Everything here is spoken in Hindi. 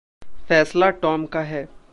फैसला टॉम का है।